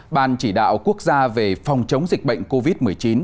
ban chỉ đạo quốc gia về phòng chống dịch bệnh covid một mươi chín